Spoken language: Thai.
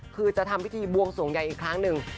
คือจะทำพิธีบวงสวงใหญ่อีกครั้งหนึ่ง